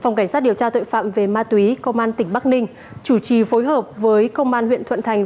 phòng cảnh sát điều tra tội phạm về ma túy công an tỉnh bắc ninh chủ trì phối hợp với công an huyện thuận thành